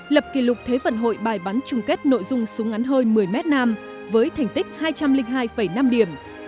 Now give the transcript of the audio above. lập kỷ lục thế vận hội bài bắn trung kết nội dung súng ngắn hơi một mươi m nam với thành tích hai trăm linh hai năm điểm